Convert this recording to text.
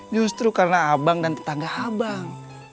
justru karena abang dan tetangga abang